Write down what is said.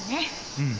うん。